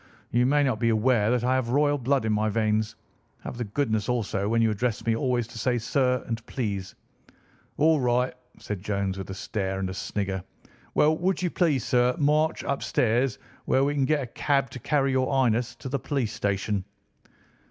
"You may not be aware that I have royal blood in my veins. Have the goodness, also, when you address me always to say 'sir' and 'please.'" "All right," said Jones with a stare and a snigger. "Well, would you please, sir, march upstairs, where we can get a cab to carry your Highness to the police station?"